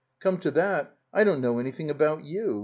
Come to that, I don't know anything about you.